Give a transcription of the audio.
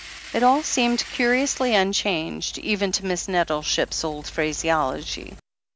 It all seemed curiously unchanged, even to Miss Nettleship's old phraseology.